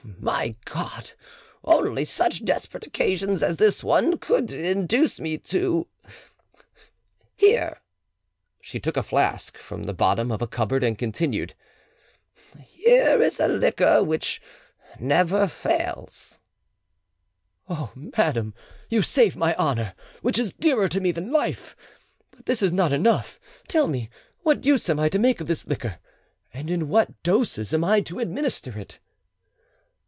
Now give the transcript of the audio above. My God! only such desperate occasions as this one could induce me to—— Here——" She took a flask from the bottom of a cupboard, and continued— "Here is a liquor which never fails." "Oh, madame, you save my honour, which is dearer to me than life! But this is not enough: tell me what use I am to make of this liquor, and in what doses I am to administer it."